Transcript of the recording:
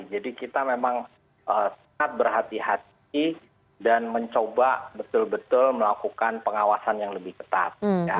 jadi kita memang sangat berhati hati dan mencoba betul betul melakukan pengawasan yang lebih ketat